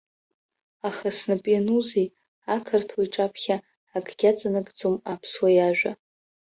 Аха снапы ианузеи, акырҭуа иҿаԥхьа акгьы аҵанакӡом аԥсуа иажәа.